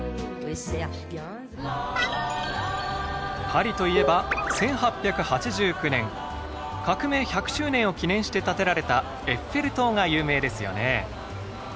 パリといえば１８８９年革命１００周年を記念して建てられたエッフェル塔が有名ですよね。